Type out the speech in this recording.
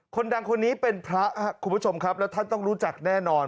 คนดังคนนี้เป็นพระครับคุณผู้ชมครับแล้วท่านต้องรู้จักแน่นอน